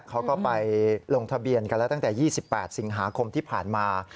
เขาก็ไปลงทะเบียนกันแล้วตั้งแต่๒๘สิงหาคมที่ผ่านมา